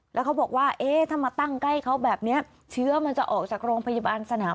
แล้วเขาบอกว่าเอ๊ะถ้ามาตั้งใกล้เขาแบบนี้เชื้อมันจะออกจากโรงพยาบาลสนาม